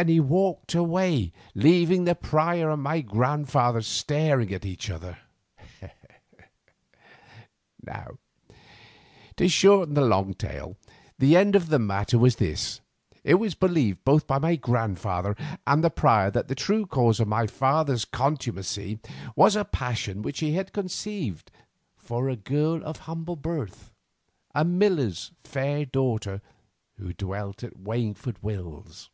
Then he walked away, leaving the prior and my grandfather staring at each other. Now to shorten a long tale, the end of the matter was this. It was believed both by my grandfather and the prior that the true cause of my father's contumacy was a passion which he had conceived for a girl of humble birth, a miller's fair daughter who dwelt at Waingford Mills.